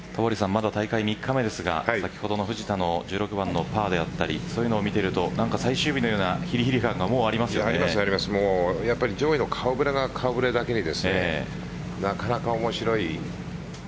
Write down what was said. まだ大会３日目ですが先ほどの藤田の１６番のパーであったりそういうの見てると最終日のようなヒリヒリ感が上位の顔触れが顔触れだけになかなか面白い。